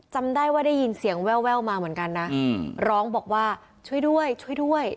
จำได้ว่าได้ยินเสียงแววมาเหมือนกันนะร้องบอกว่าช่วยด้วยช่วยด้วย